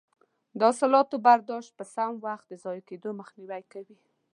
د حاصلاتو برداشت په سم وخت د ضایع کیدو مخنیوی کوي.